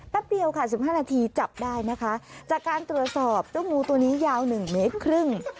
แป๊บเดียวค่ะ๑๕นาทีจับได้นะคะจากการตรวจสอบตัวงูตัวนี้ยาว๑เมตรครึ่ง